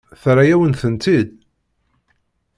Terra-yawen-tent-id?